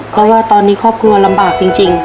เพราะว่าตอนนี้ครอบครัวลำบากจริง